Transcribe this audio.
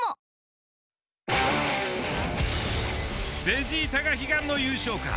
ベジータが悲願の優勝か？